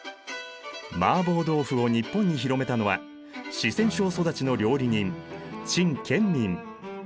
麻婆豆腐を日本に広めたのは四川省育ちの料理人陳建民。